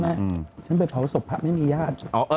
ฉันไปเผาศพพระไม่มีญาติ